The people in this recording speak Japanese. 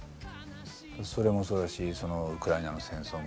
それもそうだしそのウクライナの戦争もそうだし。